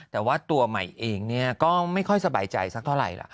แต่ว่าตัวใหม่เองก็ไม่ค่อยสบายใจสักเท่าไหร่ล่ะ